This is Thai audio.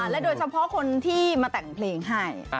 โดยเฉพาะคนที่มาแต่งเพลงให้